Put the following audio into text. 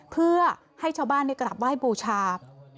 เพื่อให้ชาวบ้านได้กลับไหว้บูชา